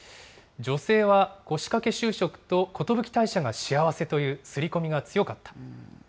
女性は腰掛就職と寿退社が幸せという刷り込みが強かった。